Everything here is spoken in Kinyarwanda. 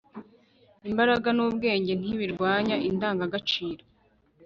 imbaraga n'ubwenge ntibirwanya indangagaciro